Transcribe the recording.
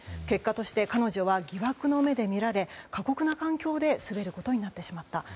結果として、彼女は疑惑の目で見られ過酷な環境で滑ることになってしまった。